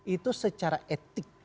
itu secara etik